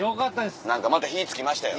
何かまた火つきましたよ。